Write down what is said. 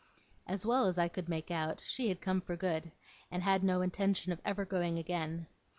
As well as I could make out, she had come for good, and had no intention of ever going again.